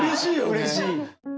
うれしい。